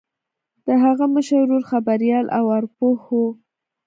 د هغه مشر ورور خبریال او ارواپوه و